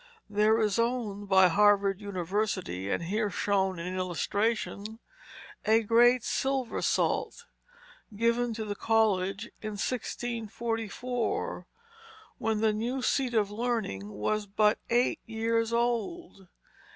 There is owned by Harvard University, and here shown in an illustration, "a great silver salt" given to the college in 1644, when the new seat of learning was but eight years old.